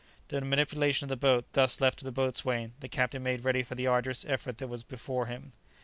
The manipulation of the boat thus left to the boatswain, the captain made ready for the arduous effort that was before him.